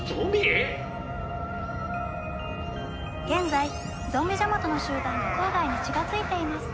現在ゾンビジャマトの集団が郊外に近づいています。